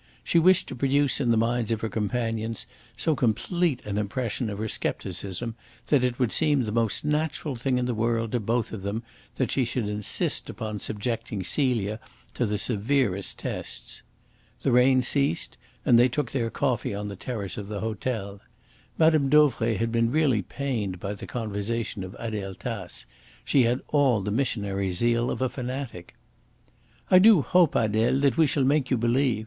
She wished to produce in the minds of her companions so complete an impression of her scepticism that it would seem the most natural thing in the world to both of them that she should insist upon subjecting Celia to the severest tests. The rain ceased, and they took their coffee on the terrace of the hotel. Mme. Dauvray had been really pained by the conversation of Adele Tace. She had all the missionary zeal of a fanatic. "I do hope, Adele, that we shall make you believe.